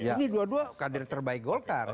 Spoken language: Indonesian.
ini dua dua kader terbaik golkar